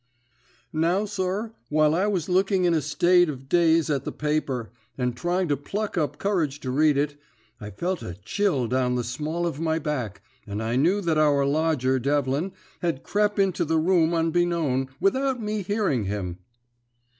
"Now, sir, while I was looking in a state of daze at the paper, and trying to pluck up courage to read it, I felt a chill down the small of my back, and I knew that our lodger Devlin had crep into the room unbeknown, without me hearing of him.